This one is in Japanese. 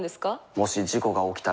もし事故が起きたら？